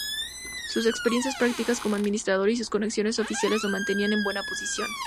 Su experiencia práctica como administrador y sus conexiones oficiales lo mantenían en buena posición.